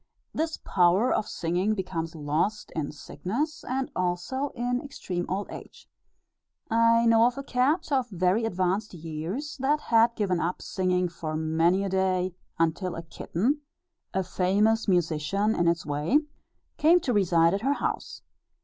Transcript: This power of singing becomes lost in sickness, and also in extreme old age. I know of a cat, of very advanced years, that had given up singing for many a day, until a kitten a famous musician in its way came to reside at her house.